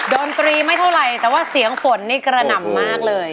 ดนตรีไม่เท่าไหร่แต่ว่าเสียงฝนนี่กระหน่ำมากเลย